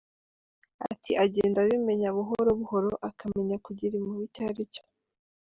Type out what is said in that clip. Ati “Agenda abimenya buhoro buhoro, akamenya kugira impuhwe icyo ari cyo.